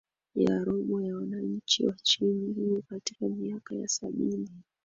ya robo ya wananchi wa nchi hiyo katika miaka ya sabini